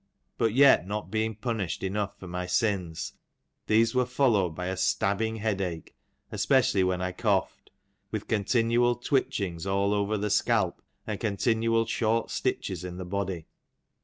But yet not being punished enough for my sins these were followed by a stabbing head ache (especially when I coughed) with continual twitchings all over the scalp, and continual short stitches in the body.